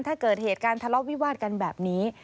ถ้าเกิดเหตุการณ์ทะเลาะวิวาดกันแบบนี้